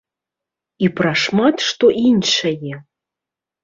І пра шмат што іншае!